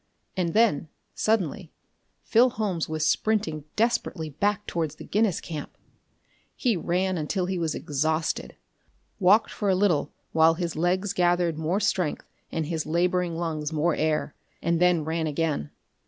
And then, suddenly, Phil Holmes was sprinting desperately back towards the Guinness camp. He ran until he was exhausted; walked for a little while his legs gathered more strength, and his laboring lungs more air; and then ran again.